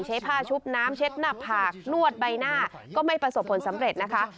ใช้ผ้าชุบน้ำเช็ดหน้าผากนวดใบหน้าก็ไม่ประสบผลสำเร็จนะคะ